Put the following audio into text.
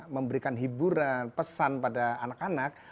memberikan hiburan pesan pada anak anak